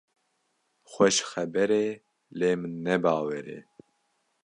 Xweş xeber e, lê min ne bawer e.